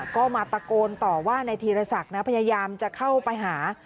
ก็มาตะโกนต่อว่านายธีรศักดิ์นะพยายามจะเข้าไปหา